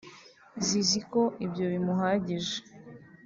zizi ko ibyo bimuhagije